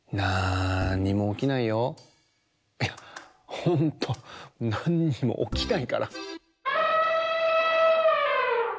いやほんとなんにもおきないから。